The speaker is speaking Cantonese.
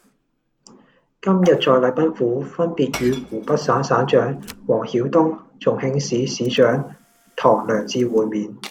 今日在禮賓府分別與湖北省省長王曉東、重慶市市長唐良智會面